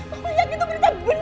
aku yakin itu berita benar bella